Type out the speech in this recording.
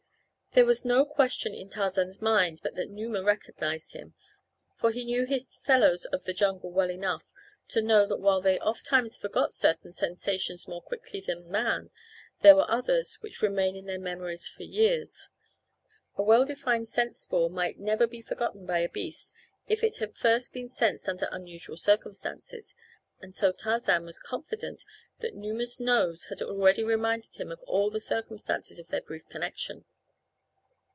There was no question in Tarzan's mind but that Numa recognized him, for he knew his fellows of the jungle well enough to know that while they oft times forgot certain sensations more quickly than man there are others which remain in their memories for years. A well defined scent spoor might never be forgotten by a beast if it had first been sensed under unusual circumstances, and so Tarzan was confident that Numa's nose had already reminded him of all the circumstances of their brief connection.